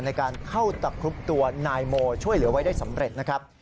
ในการเข้าตะครุบตัวนายโมช่วยเหลือไว้ได้สำเร็จนะครับ